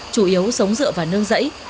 chủ yếu sống dựa và nương dẫy